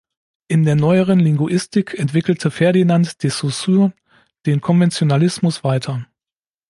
In der neueren Linguistik entwickelte Ferdinand de Saussure den Konventionalismus weiter.